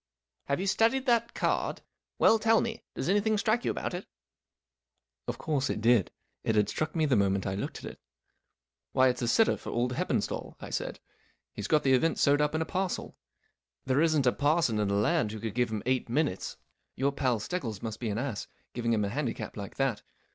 44 Have you studied that card ? Well, L tell me, does anything strike you about it ?" Of course it did. It had struck me the moment I looked at it. 44 Why, it's a sitter for old Heppenstali," I said. 44 He's got the event sewed up in a parcel. There isn't a parson in the land who could give him eight minutes. Your pal Steggles must be an ass, giving him a handicap iike that.